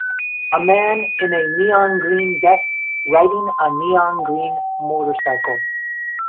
A man in a neongreen vest riding a neongreen motorcycle.